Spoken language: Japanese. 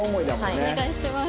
お願いします。